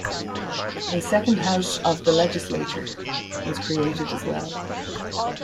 A second house of the Legislature was created as well.